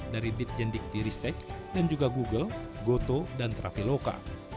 dari dit jendik tiristek dan juga google goto dan trafaloka